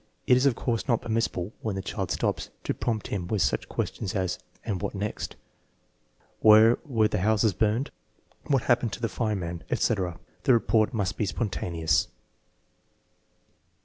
It is of course not permissible, when the child stops, to prompt him with such questions as, "And what next? Where were the houses burned? What happened to the fireman? " etc. The report must be spontaneous.